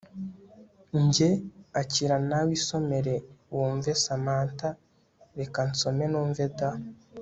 Njye akira nawe isomere wumveSamantha reka nsome numve da